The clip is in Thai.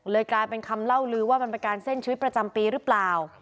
กลายเป็นคำเล่าลือว่ามันเป็นการเส้นชีวิตประจำปีหรือเปล่า